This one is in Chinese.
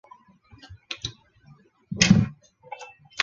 阿尔坎蒂尔是巴西帕拉伊巴州的一个市镇。